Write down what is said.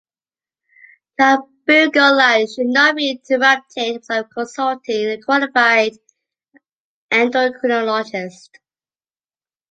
Cabergoline should not be interrupted without consulting a qualified endocrinologist.